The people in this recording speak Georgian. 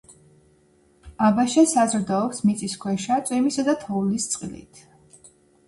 აბაშა საზრდოობს მიწისქვეშა, წვიმისა და თოვლის წყლით.